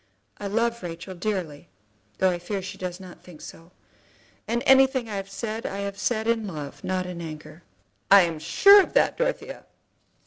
I love Rachel dearly, though I fear she does not think so, and anything I have said, I have said in love, not in anger." "I'm sure of that, Dorothea."